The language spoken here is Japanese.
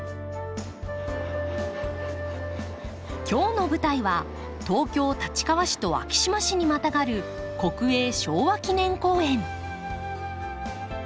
今日の舞台は東京立川市と昭島市にまたがる国営昭和記念公園。